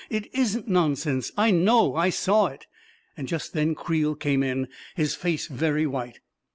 " It isn't nonsense ! I know — I saw it ..." And just then Creel came in, his face very white.